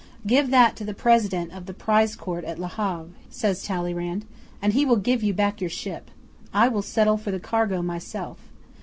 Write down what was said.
'"Give that to the President of the Prize Court at Le Havre," says Talleyrand, "and he will give you back your ship. I will settle for the cargo myself.